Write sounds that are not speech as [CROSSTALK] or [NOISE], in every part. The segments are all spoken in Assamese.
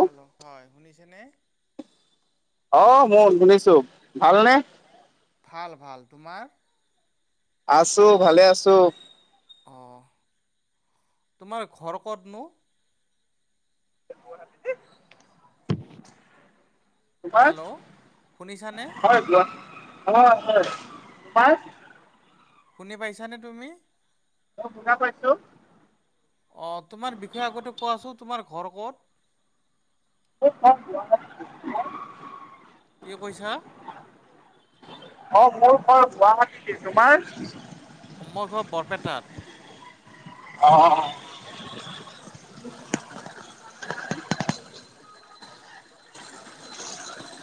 হেল্ল' হয় শুনিছে নে আহ মোৰ শুনিছো, ভালনে? আছো ভালে আছো। তোমাৰ ঘৰ ক'তনো? তোমাৰ হয় কোৱা। অ উ হা [UNINTELLIGIBLE] শুনি পাইছানে তুমি? অ শনা পাইছো। অ তোমাৰ বিষয়ে আগতে কোৱাচোন। তোমাৰ ঘৰ ক'ত? মোৰ ঘৰ গুাহাটীৰ। কি কৈছা? অ মোৰ ঘৰ গুৱাটীতে। তোমাৰ? মোৰ ঘৰ বৰপেটাত। আহ।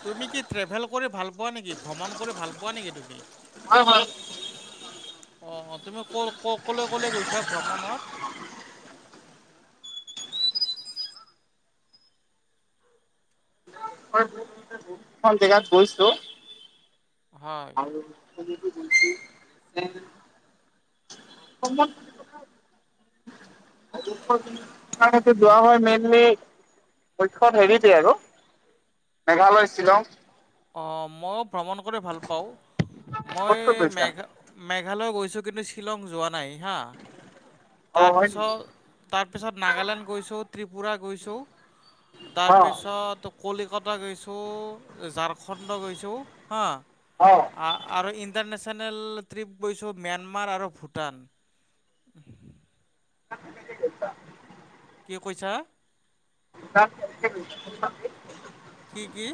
তুমি কি ট্ৰেভেল কৰি ভাল পোৱা নেকি? ভ্ৰমণ কৰি ভাল পোৱা নেকি তুমি? হয় হয়। আহ তুমি ক কলৈ কলে গৈছা ভ্ৰমণত? জেগাত গৈছো। আৰু। টোছ যে। [UNINTELLIGIBLE] কাৰতে যোৱা হয় মেইনলি। পক্ষ্যত হেৰিতে আৰু। মেঘালয় শ্বিলং। অ মই। ভ্ৰমণ কৰি ভাল পাও, মই মেঘ। মেঘালয় গৈছো, কিন্তু শ্বিলং যোৱা নাই। হা, তাৰপিছত তাৰপিছত নাগালেণ্ড গৈছো। ত্ৰিপুৰা গৈছোঁ। তাৰ পিছত কলিকতা। পত গৈছো। ঝাৰখণ্ড গৈছো। অ আৰু ইণ্টাৰনেচ। নেল ট্ৰিপ গৈছো ম্যানমাৰ আৰু ভূটান। ছা। [UNINTELLIGIBLE] কি কৈছা? [UNINTELLIGIBLE] কি কি?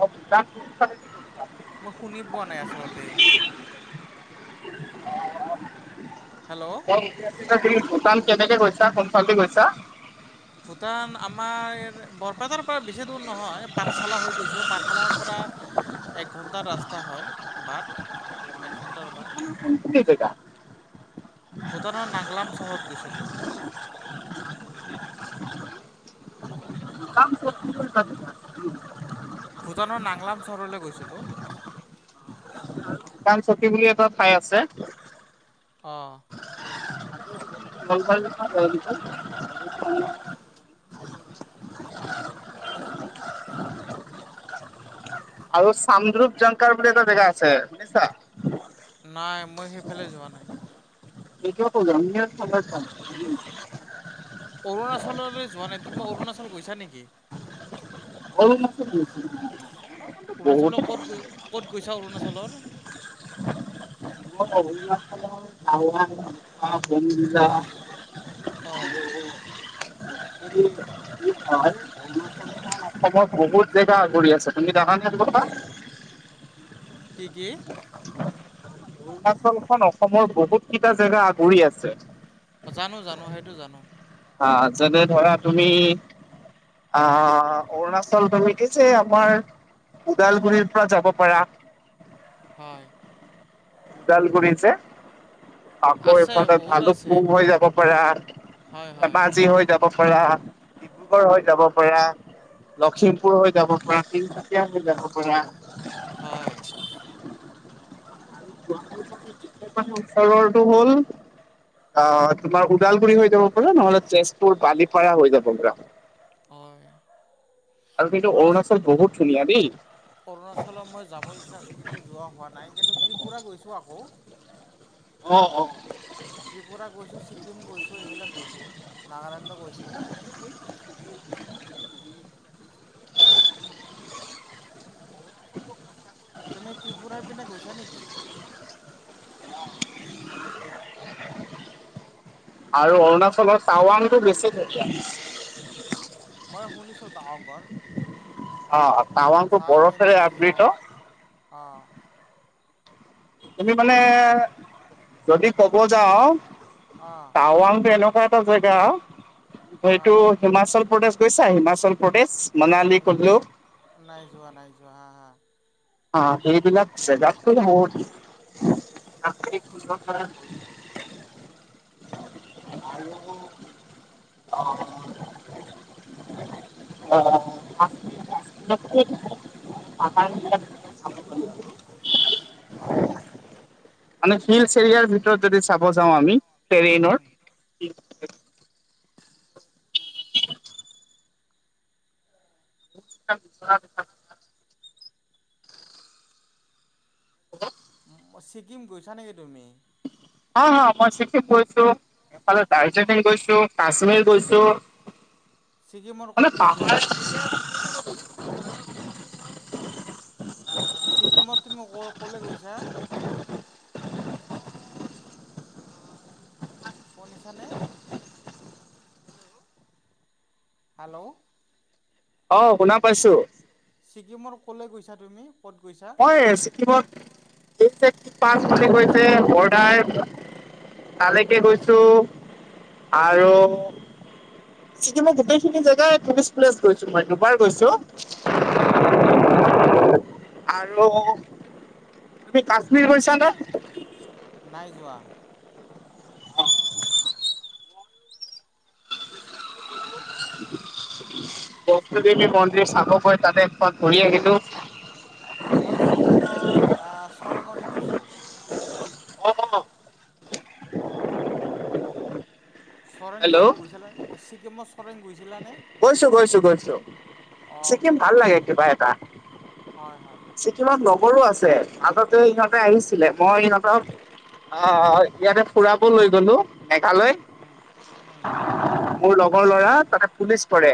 অ [INAUDIBLE] [INAUDIBLE] এ [UNINTELLIGIBLE] তুমি ভূটান কেনেকে গৈছা, কোনফালেদি গৈছা? ভূটান, আমাৰ বৰপেটাৰ পৰা বিশেষ নহয়, পাঠশালা হৈ গৈছো, পা পাঠশালাৰ পৰা একঘণ্টা ৰাস্তা হয়, বাট, একঘণ্টাৰ বাট। কোনটো গৈছা? ভূটানৰ নাংলাম চহৰত গৈছিলো। কাম কৰ [UNINTELLIGIBLE] ভূটানৰ নাংলাম চহৰলৈ গৈছিলোঁ। ভূটান চকী বুলি এটা ঠাই আছে? অহ। [UNINTELLIGIBLE] আৰু চামদ্ৰপ জংকাৰ বুলি এটা জেগা আছে, শুনিচা? নাই মই সেইফালে যোৱা নাই। এইটো [UNINTELLIGIBLE] অৰুণাচললৈ যোৱা নাই, তুমি অৰুণাচল গৈছা নেকি? অৰুণাচল গৈছিলো। অৰুণাচললৈ ক'ত গৈ ক'ত গৈছা অৰুণাচলৰ? ম অৰুণাচলৰ টাৱাং [UNINTELLIGIBLE] বোমডিলা। অহ। আৰু অৰুণাচলৰ [UNINTELLIGIBLE] বহুত জেগা [UNINTELLIGIBLE] তুমি জানা নে এটো কথা? কি-কি? হিমাচল খন অসমৰ বহুত কেইটা জেগা আগুৰি আছে। অহ জানো-জানো সেই টো জানো। আহ যেনে ধৰা তুমি, আহ অৰুণাচল তুমি কিছে আমাৰ ওদালগুৰিৰ পৰা যাব পাৰা। হয়। ওদালগুৰি যে। আকৌ এফালে ভালোক পুং হৈ যাব পাৰা ধেমাজি হৈ যাব পথৰা, ডিব্ৰুগড় হৈ যাব পাৰা, লখিমপুৰ হৈ যাব পৰা, তিনচুকীয়া হৈ যাব পৰা হয়। [INAUDIBLE] টো হ'ল আহ তোমাৰ ওদালগুৰি হৈ যাব হ নহ'লে তেজপুৰ, বালিপাৰা হৈ যাব পাৰা। অহ। অৰুণাচ-অৰুণাচলত মই যাব ইচ্ছা আছে কিন্তু যোৱা হোৱা নাই কিন্তু ত্ৰিপুৰা গৈছো আকৌ। ত্ৰিপুৰা গৈছোঁ, ছিকিম গৈছোঁ, এইবিলাক গৈছোঁ নাগালেণ্ডো গৈছোঁ। [UNINTELLIGIBLE] [UNINTELLIGIBLE] তুমি ত্ৰিপুৰাৰ পিনে গৈছা নেকি? আৰু অৰুণাচলৰ চাৱানটো বেছি ধুনীয়া। মই শুনিছো টাৱাঙৰ, কথা কিন্তু মই যোৱা অ'। তুমি মানে, যদি কব যাওঁ টাৱাঙটো এনেকুৱা এটা জাগা সেইটো হিমাচল প্ৰদেশ গৈছা? হিমাচল প্ৰদেশ নাই, নাই যোৱা। নাই যোৱা। হা হা। অ' সেইবিলাক জেগাততো বহুত [UNINTELLIGIBLE] আনিছোঁ হিলছ এৰিয়াৰ ভিতৰত যদি চাব যাওঁ আমি, ট্ৰেইনৰ [UNINTELLIGIBLE] [UNINTELLIGIBLE] অ' ছিকিম গৈছা নেকি তুমি? হা, হা। মই চিকিম গৈছো। ইফালে দাৰ্জিলিং গৈছো, কাশ্মীৰ গৈছো মানে পাহাৰ ছিকিমত তুমি ক'লে গৈছা? শুনিছানে? হেল্ল'। অ' শুনা ছিকিমৰ ক'লৈ গৈছা তুমি? মই ছিকিমত [UNINTELLIGIBLE] কয় যে বৰ্ডাৰ, তালৈকে গৈছো। আৰু ছিকিমৰ গোটেইখিনি জেগাই টুৰিষ্ট প্লেচ গৈছোঁ, মই দুবাৰ গৈছো। অ'। [INAUDIBLE] আৰু তুমি কাশ্মীৰ গৈছানে? বক্ষদেৱী মন্দিৰ চাব মই ছিকিমৰ চৰাঙত গৈছো। অ'। চৰেং গৈছানে, ছিকিমৰ [UNINTELLIGIBLE] গৈছো গৈছো গৈছো। ছিকিম ভাল লাগে কিবা এটা। ছিকিমত লগৰো আছে, আগতে ইহঁতে আহিছিলে। মই ইহঁতক আহ ইয়াতে ফুৰাব লৈ গলো। মেঘালয় মোৰ লগৰ ল'ৰা তাতে পুলিচ কৰে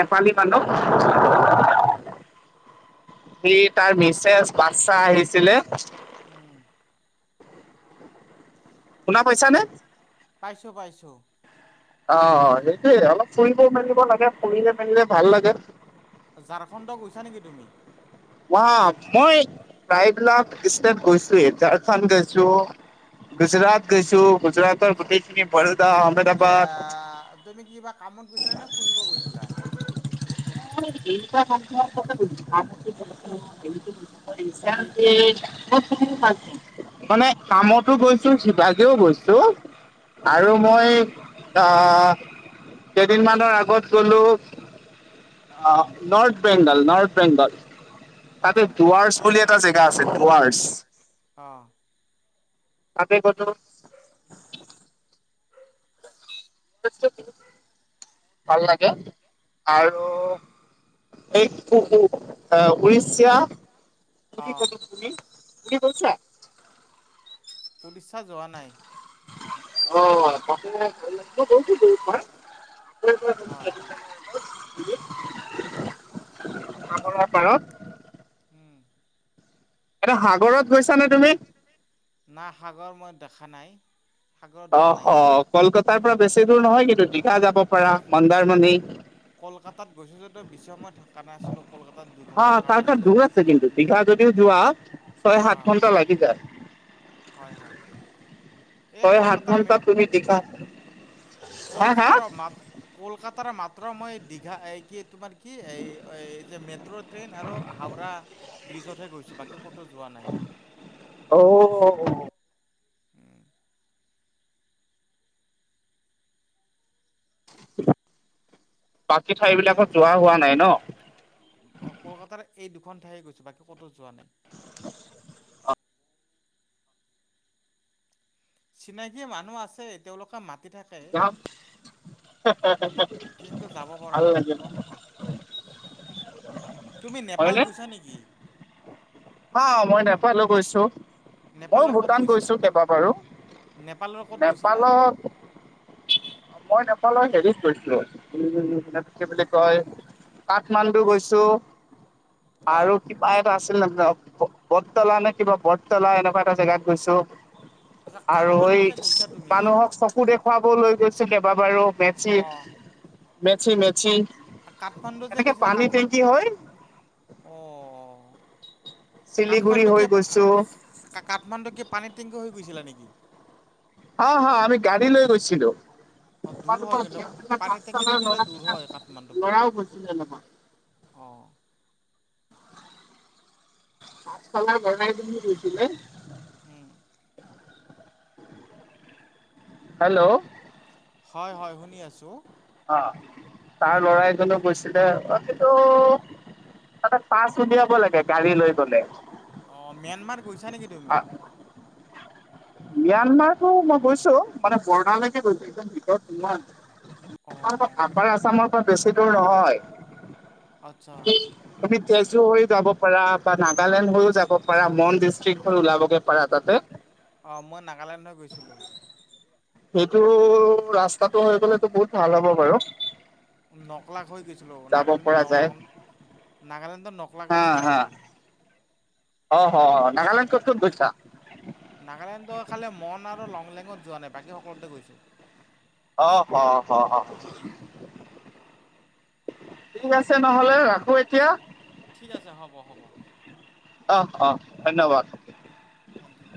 নেপালী মানুহ সি তাৰ মিছেছ বাচ্ছা আহিছিলে পাইছো পাইছো। অ সেইটোৱে অলপ ফুৰিব মেলিব লাগে ফুৰিলে মেলিলে ভাল লাগে। ঝাৰখণ্ডত গৈছা নেকি তুমি? অ মইবেলাক ষ্ট গৈছো ঝাৰখণ্ড গৈছো, গুজৰাট গৈছো। তুমি কি আহ তুমি কিবা কামত গৈছিলা নে ফুৰিব গৈছিলা? এইকা কামতে গৈছিলোঁ কাম শিকিবলৈ। অ তেনেকে গৈছা ইঞ্চকে কোন কোন আছে [UNINTELLIGIBLE] মানে কামতো গৈছো শিভাগেও গৈছো। টো আৰু মই, আহ কেইদিনমানৰ আগত গলো, আহ নৰ্থ বেংগল নৰ্থ বেংগল। তাতে দুৱাৰছ বুলি এটা জেগা আছে দুৱাৰছ। তাকে কটো ভাল লাগে আৰু এই উৰিষ্যা কি কলি তুমি কি কৈছা উৰিষ্যা যোৱা নাই। অ তাতে যোৱা গৈছিলোঁ এবাৰ [UNINTELLIGIBLE] হয় সাগৰৰ পাৰত। এটা সাগৰত না সাগৰ মই দেখা নাই। অ অ কলকাতাৰ পৰা বেছি দূৰ নহয় কিন্তু কয়া যাব পাৰা মান্দাৰমণি। বেচি সময় থাকে অহ- তাৰ পৰা দূৰ আছে কিন্তু চিধা যদি যোৱা ছয় সাত ঘন্টা লাগি যায়। এ কলকাতাৰ মে - কলকাতাৰ মা - কলকাত তাৰ মাত্ৰ মই দীঘা কি এই তোমাৰ কি এই - এই‌ যে মেট্ৰ' ট্ৰেইন আৰু হাউৰা ব্ৰিজত হে গৈছোঁ বাকী ঔ। [INAUDIBLE] [INAUDIBLE] বাকী ঠাইবিলাকত যোৱা হোৱা নাই ন? এই দুখন ঠাই গৈছোঁ বাকী কতো যোৱা নাই। চিনাকি মানুহ আছে তেওঁলোকে মাত [UNINTELLIGIBLE] ভাল লাগ ন? তুমি নেপাল গৈছা নেকি? অ' মই নেপালো গৈছোঁ। মই ভূটান গৈছোঁ কেইবাবৰো। নেপালত মই নেপালৰ হেৰিত গৈছিলোঁ। উম, [UNINTELLIGIBLE] কি বুলি কয় কাঠমাণ্ডু গৈছোঁ আৰু কিবা এটা আছ [UNINTELLIGIBLE] বৰতলা নে কিবা বৰতলা এনেকুৱা এটা জেগাত গৈছোঁ। আৰু এই মানুহক চকু দেখুৱাব লৈ গৈছে কেইবাবাৰু মেচিত কাঠমাণ্ডু যে গৈছিলা কাঠমা, অ'। কাঠমাণ্ডু কি আ - কাঠমাণ্ডু কি পানী টেংকি হৈ গৈছিলা নেকি? হয় হয়, আমি গাড়ী লৈ গৈছিলোঁ। অ' দূৰ হয় কিন্তু পানী টেংকেদি গ'লে দূৰ হয় কাঠমাণ্ডু বহুত। অ'। আগফালে [UNINTELLIGIBLE] গৈছিলে। হম। হেল্ল'। হয় হয় শুনি আছো। অ'। তাৰ ল'ৰা এজনে গৈছিলে, অ' কিন্তু তাতে পাছ উলিয়াব লাগে গাড়ী লৈ গ'লে। অ ম্যানমাৰ গৈছা নেকি তুমি? ম্যানমাৰটো মই গৈছো, মানে বৰ্ডাৰ লৈকে গৈছো একদম ভিতৰত সোমোৱা নাই। আপাৰ আছামৰ পৰা বেছি দূৰ নহয়। আচ্ছা। তেজু হৈও যাব পাৰা বা নাগালেণ্ড হৈও যাব পাৰা, মন ডিষ্ট্ৰিক্ট হৈ ওলাবগে পাৰা তাতে- অঁ মই নাগালেণ্ড হৈ গৈছিলোঁ। সেইটো ৰাস্তাটো হৈ গলেতো বহুত ভাল হ'ব বাৰু। নকলাক হৈ গৈছে- নাগালেণ্ড নাগালেণ্ড- একদম নকলাকে দি গৈছিলোঁ। অ হ নাগালেণ্ড ক'ত ক'ত গৈছা? নাগালেণ্ডৰ খালি মন আৰু লংলেঙত যোৱা নাই। বাকী সকলোতে গৈছো। অ অ হ হ ঠিক আছে নহলে ৰাখো এতিয়া। ঠিক আছে হ'ব হ'ব। অ অ ধন্যবাদ। Thank U.